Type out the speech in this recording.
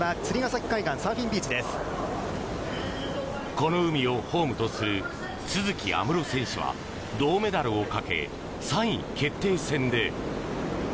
この海をホームとする都筑有夢路選手は銅メダルをかけ３位決定戦で。